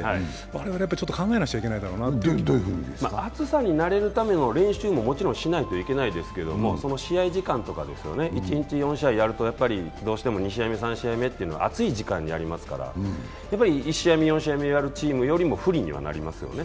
我々ちょっと考えなくちゃいけないだろうなと暑さに慣れるための練習ももちろんやらなきゃいけないですけど、試合時間とかですかね一日４試合やるとどうしても２試合、３試合目というのは暑い時間にやりますから、やっぱり１試合、４試合目やるチームよりは不利になりますよね。